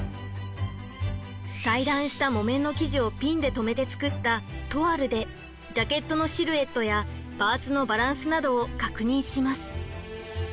裁断した木綿の生地をピンで留めて作ったトワルでジャケットのシルエットやパーツのバランスなどを確認します。